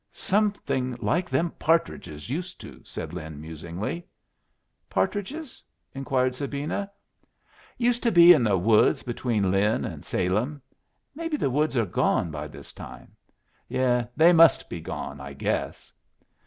"Something like them partridges used to," said Lin, musingly. "Partridges?" inquired Sabina. "Used to be in the woods between Lynn and Salem. Maybe the woods are gone by this time. Yes, they must be gone, I guess."